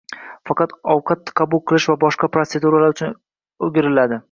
Faqat ovqat qabul qilish va boshqa proseduralar uchun o`giriladi